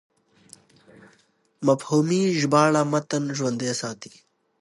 مفهومي ژباړه متن ژوندی ساتي.